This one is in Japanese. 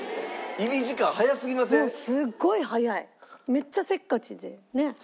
めっちゃせっかちでねっ？